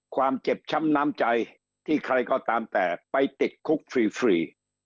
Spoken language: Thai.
ความเจ็บช้ำน้ำใจที่ใครก็ตามแต่ไปติดคุกฟรี